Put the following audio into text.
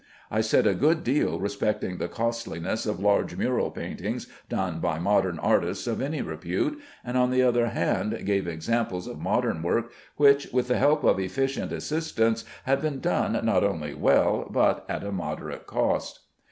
I said a good deal respecting the costliness of large mural paintings done by modern artists of any repute, and on the other hand gave examples of modern work, which, with the help of efficient assistants, had been done not only well but at a moderate cost.